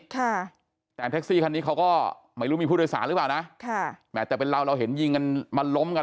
ค่ะแต่แท็กซี่คันนี้เขาก็ไม่รู้มีผู้โดยสารหรือเปล่านะค่ะแม้แต่เป็นเราเราเห็นยิงกันมาล้มกัน